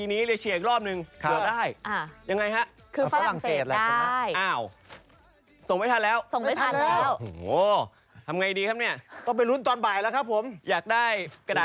บอทยูโรครับ